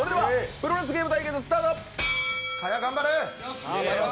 プロレスゲーム対決スタート！